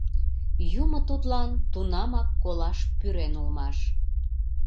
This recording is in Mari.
Юмо тудлан тунамак колаш пӱрен улмаш.